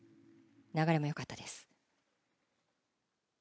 流れもよかったです。